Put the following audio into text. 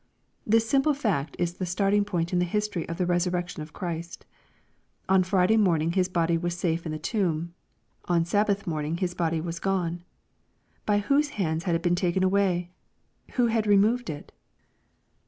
*' This simple fact is the starting point in the history ot the resurrection of Christ. On Friday morning His body was safe in the tomb. On Sabbath morning His body was gone. By whose hands had it been taken away ? Who had removed it